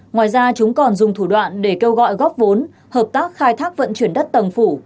ngoài ra chúng còn dùng thủ đoạn để kêu gọi góp vốn hợp tác khai thác vận chuyển đất tầng phủ